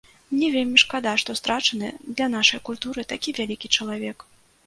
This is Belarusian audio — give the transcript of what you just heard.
Мне вельмі шкада, што страчаны для нашай культуры такі вялікі чалавек.